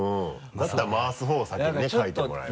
だったら回す方を先にね書いてもらえば。